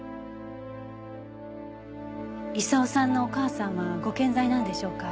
功さんのお母さんはご健在なんでしょうか？